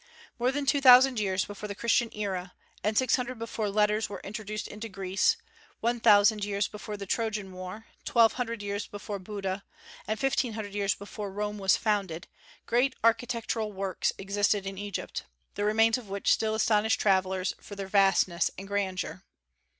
More than two thousand years before the Christian era, and six hundred before letters were introduced into Greece, one thousand years before the Trojan War, twelve hundred years before Buddha, and fifteen hundred years before Rome was founded, great architectural works existed in Egypt, the remains of which still astonish travellers for their vastness and grandeur.